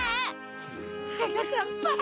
はなかっぱ。